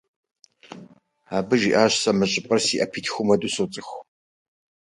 А он говорит: «Нет, я эту местность знаю, как свои пять пальцев».